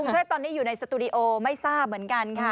แค่ตอนนี้อยู่ในสตูดิโอไม่ทราบเหมือนกันค่ะ